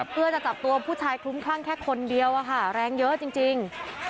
เพื่อจะจับตัวผู้ชายคลุ้มคลั่งแค่คนเดียวอะค่ะแรงเยอะจริง